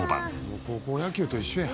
もう高校野球と一緒や。